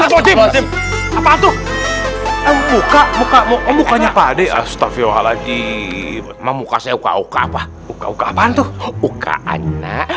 apa tuh muka muka mukanya pade astagfirullah lagi memukasnya ukauk apa apa tuh ukak anak